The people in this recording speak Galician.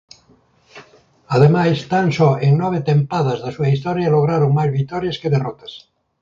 Ademais tan só en nove tempadas da súa historia lograron máis vitorias que derrotas.